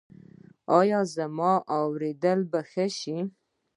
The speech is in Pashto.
ایا زما اوریدل به ښه شي؟